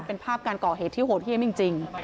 เป็นภาพการก่อเหตุที่โหดเยี่ยมจริง